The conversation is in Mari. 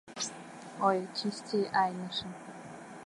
Ой, чисти айнышым.